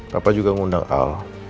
papa juga mengundang al